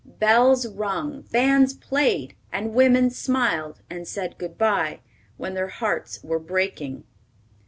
Bells rung, bands played, and women smiled and said good bye, when their hearts were breaking.